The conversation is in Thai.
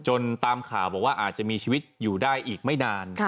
ตามข่าวบอกว่าอาจจะมีชีวิตอยู่ได้อีกไม่นาน